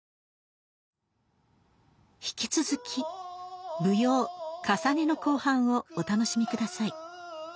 引き続き舞踊「かさね」の後半をお楽しみください。